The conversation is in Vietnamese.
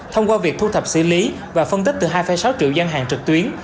thông qua việc thu thập xử lý và phân tích từ hai sáu triệu dân hàng trực tuyến